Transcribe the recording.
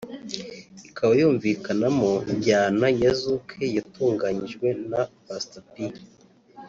ikaba yumvikanamo njyana ya Zouk yatunganyijwe na Pastor P